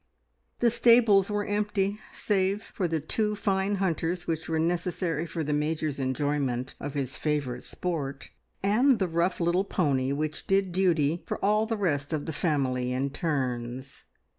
The stables were empty, save for the two fine hunters which were necessary for the Major's enjoyment of his favourite sport, and the rough little pony which did duty for all the rest of the family in turns.